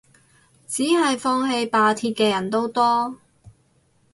只係放棄罷鐵嘅人都多